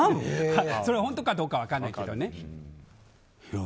それが本当かどうかは分からないけどね。